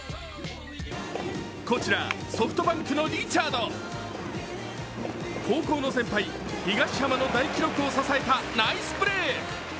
こちら、ソフトバンクのリチャード高校の先輩・東浜の大記録を支えたナイスプレー。